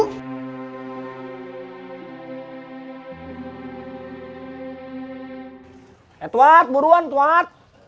eh tuat buruan tuat